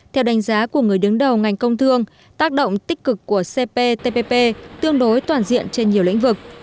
theo đánh giá của người đứng đầu ngành công thương tác động tích cực của cptpp tương đối toàn diện trên nhiều lĩnh vực